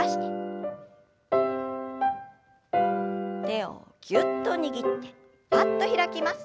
手をぎゅっと握ってぱっと開きます。